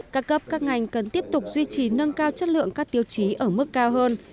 các cấp các ngành cần tiếp tục duy trì nâng cao chất lượng các tiêu chí ở mức cao hơn